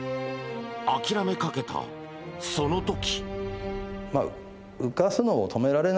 諦めかけた、その時。